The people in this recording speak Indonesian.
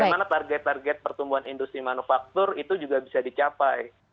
bagaimana target target pertumbuhan industri manufaktur itu juga bisa dicapai